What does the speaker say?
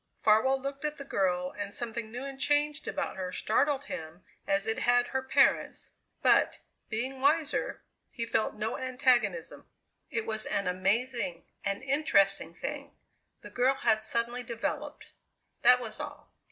Farwell looked at the girl and something new and changed about her startled him as it had her parents, but, being wiser, he felt no antagonism. It was an amazing, an interesting thing. The girl had suddenly developed: that was all.